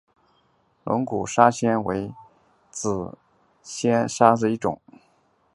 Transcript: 龙骨砂藓为紫萼藓科砂藓属下的一个种。